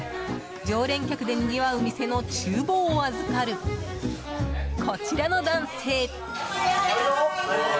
常連客でにぎわう店の厨房を預かる、こちらの男性。